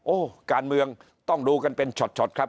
โอ้โหการเมืองต้องดูกันเป็นช็อตครับ